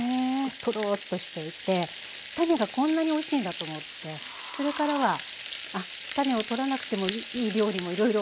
とろっとしていて種がこんなにおいしいんだと思ってそれからはあっ種を取らなくてもいい料理もいろいろやってみようと。